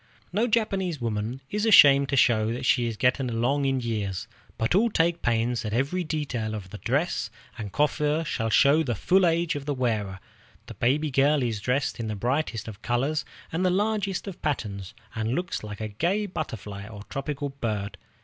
No Japanese woman is ashamed to show that she is getting along in years, but all take pains that every detail of the dress and coiffure shall show the full age of the wearer. The baby girl is dressed in the brightest of colors and the largest of patterns, and looks like a gay butterfly or tropical bird.